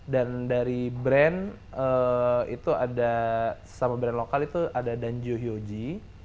dan dari brand itu ada sama brand lokal itu ada danjio hyoji